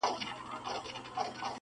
زه کرمه سره ګلاب ازغي هم را زرغونه سي,